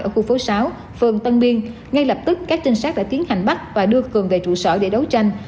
ở khu phố sáu phường tân biên ngay lập tức các trinh sát đã tiến hành bắt và đưa cường về trụ sở để đấu tranh